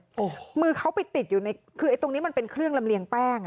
โอ้โหมือเขาไปติดอยู่ในคือไอ้ตรงนี้มันเป็นเครื่องลำเลียงแป้ง